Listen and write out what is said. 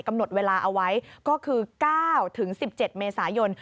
กำหนดเวลาเอาไว้ก็คือ๙๑๗เมษายน